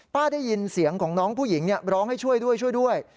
ได้ยินเสียงของน้องผู้หญิงร้องให้ช่วยด้วยช่วยด้วย